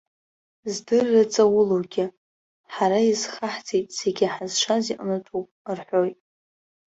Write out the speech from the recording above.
Здырра ҵаулоугьы. Ҳара иазхаҳҵеит, зегьы ҳазшаз иҟынтә ауп,- рҳәоит.